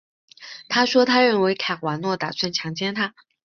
她说她认为卡瓦诺打算强奸她。